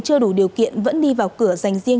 chưa đủ điều kiện vẫn đi vào cửa dành riêng